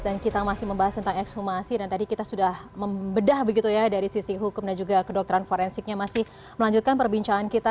dan kita masih membahas tentang ekshumasi dan tadi kita sudah membedah begitu ya dari sisi hukum dan juga kedokteran forensiknya masih melanjutkan perbincangan kita